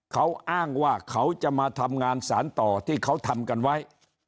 เขาอ้างว่าเขาจะมาทำงานสารต่อที่เขาทำกันไว้